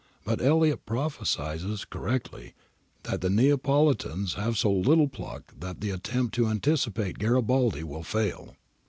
But Elliot prophesies [correctly] that the Neapolitans have so little pluck that the attempt to anticipate Garibaldi will fail.